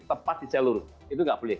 tepat di jalur itu nggak boleh